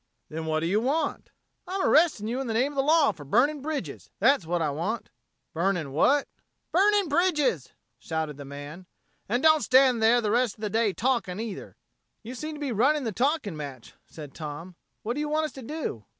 "Then what do you want?" "I'm arresting you in the name of the law for burning bridges. That's what I want." "Burning what?" "Burning bridges!" shouted the man. "An' don't stand there the rest of the day talking, either." "You seem to be running the talking match," said Tom. "What do you want us to do?